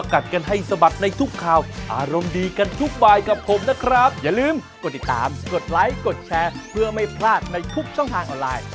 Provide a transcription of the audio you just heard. ครับอย่าลืมกดติดตามกดไลค์กดแชร์เพื่อไม่พลาดในทุกช่องทางออนไลน์